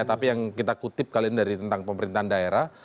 tapi yang kita kutip kali ini dari tentang pemerintahan daerah